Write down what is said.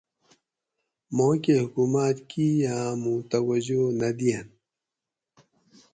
ماکہ حکومات کئی ہامو توجہ نہ دئینت